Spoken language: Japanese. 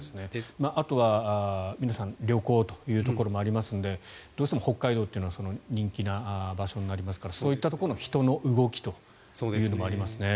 あとは旅行というところもありますのでどうしても北海道は人気の場所ですからそういったところの人の動きもありますね。